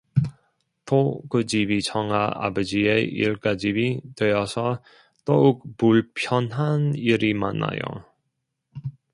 또 그 집이 청아 아버지의 일가집이 되어서 더욱 불편한 일이 많아요.